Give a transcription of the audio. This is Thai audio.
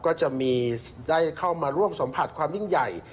ก็จะมีได้เข้ามาร่วมสัมผัสความยิ่งใหญ่